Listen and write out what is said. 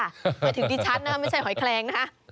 หมายถึงดิฉันนะไม่ใช่หอยแคลงนะ